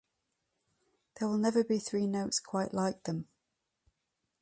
There will never be three notes quite like them.